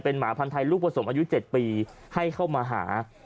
เป็นหมาพันทัยลูกผสมอายุ๗ปีให้เข้ามาหา